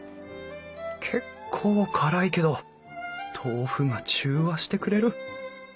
結構辛いけど豆腐が中和してくれる！